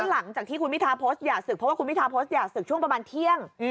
หลังจากที่คุณพิทาโพสต์อย่าศึกเพราะว่าคุณพิทาโพสต์อย่าศึกช่วงประมาณเที่ยง